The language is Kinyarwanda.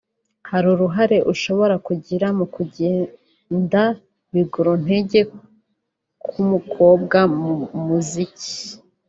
hari uruhare ushobora kugira mu kugenda biguru ntege kw’umukobwa mu muziki